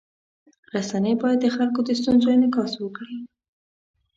رسنۍ باید د خلکو د ستونزو انعکاس وکړي.